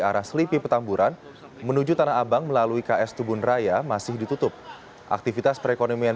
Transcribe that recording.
arah selipi petamburan menuju tanah abang melalui ks tubun raya masih ditutup aktivitas perekonomian